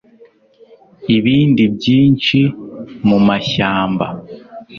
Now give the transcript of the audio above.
Ibindi byinshi mumashyamba